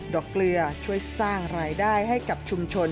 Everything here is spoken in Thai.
เกลือช่วยสร้างรายได้ให้กับชุมชน